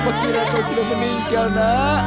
kau kira kau sudah meninggal nak